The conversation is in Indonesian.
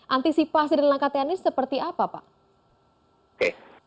antisipasi dan langkah tni seperti apa pak